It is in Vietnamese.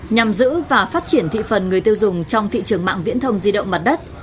nhằm giữ và phát triển thị phần người tiêu dùng trong thị trường mạng viễn thông di động mặt đất